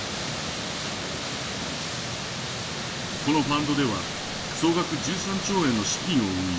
このファンドでは総額１３兆円の資金を運用。